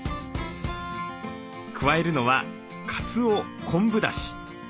加えるのはかつお昆布だし。